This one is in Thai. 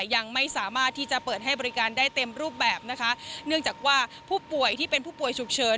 ยังไม่สามารถที่จะเปิดให้บริการได้เต็มรูปแบบนะคะเนื่องจากว่าผู้ป่วยที่เป็นผู้ป่วยฉุกเฉิน